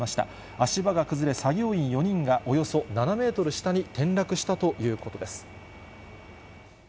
足場が崩れ、作業員４人がおよそ７メートル下に転落したということです。